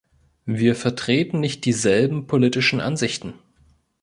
Wir vertreten nicht dieselben politischen Ansichten.